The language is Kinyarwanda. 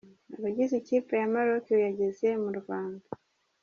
Abagize ikipe ya Maroki yageze mu Rwanda.